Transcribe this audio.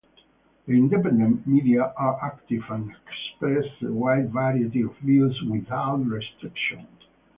The independent media are active and express a wide variety of views without restriction.